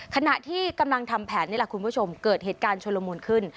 ขณะที่กำลังทำแผนนี่แหละคุณผู้ชมเกิดเหตุการณ์ชุลมูลขึ้น